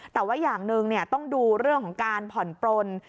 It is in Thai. แต่ว่าอย่างหนึ่งต้องดูเรื่องของการผ่อนปลน